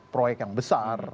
proyek yang besar